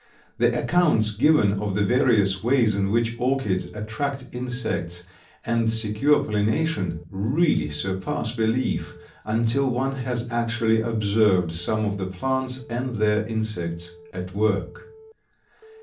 The accounts given of the various ways in which orchids attract insects and secure pollination really surpass belief, until one has actually observed some of the plants and their insects at work.